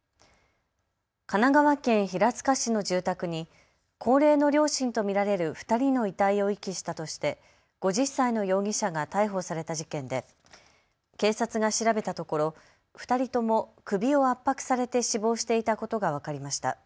神奈川県平塚市の住宅に高齢の両親と見られる２人の遺体を遺棄したとして５０歳の容疑者が逮捕された事件で警察が調べたところ、２人とも首を圧迫されて死亡していたことが分かりました。